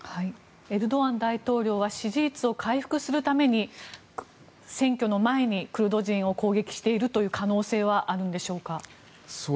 エルドアン大統領は支持率を回復するために選挙の前にクルド人を攻撃しているという可能性はあるのでしょうか。